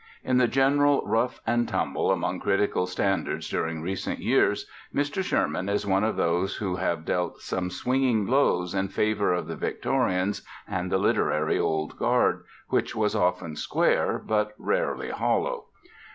In the general rough and tumble among critical standards during recent years, Mr. Sherman is one of those who have dealt some swinging blows in favor of the Victorians and the literary Old Guard which was often square but rarely hollow.